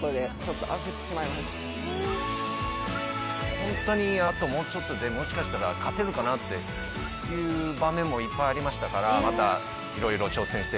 ホントにあともうちょっとでもしかしたら勝てるかなっていう場面もいっぱいありましたから。